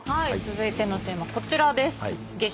続いてのテーマこちらです。